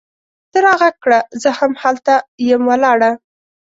ته را ږغ کړه! زه هم هلته یم ولاړه